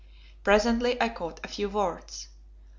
Presently I caught a few words.